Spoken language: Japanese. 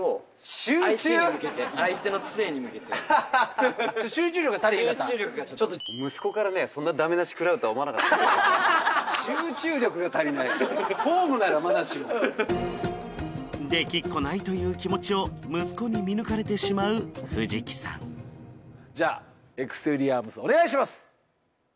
集中力がちょっと集中力が足りないってできっこないという気持ちを息子に見抜かれてしまう藤木さんじゃエクスペリアームスお願いします